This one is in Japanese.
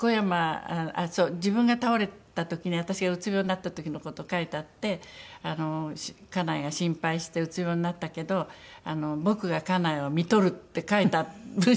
自分が倒れた時に私がうつ病になった時の事書いてあって「家内が心配してうつ病になったけど僕が家内をみとる」って書いた文章が出てきたんです。